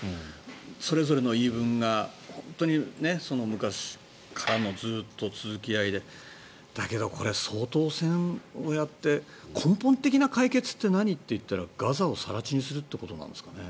それぞれの言い分が昔からのずっと続き合いでだけどこれ、掃討戦をやって根本的な解決って何かと言ったらガザを更地にするってことなんですかね。